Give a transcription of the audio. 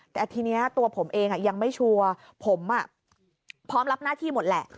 แต่ทีนี้ตัวผมเองยังไม่ชัวร์ผมพร้อมรับหน้าที่หมดแหละ